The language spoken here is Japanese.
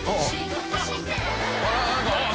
あっ！